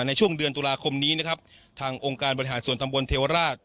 ในช่วงเดือนตุลาคมนี้นะครับทางองค์การบริหารส่วนตำบลเทวราช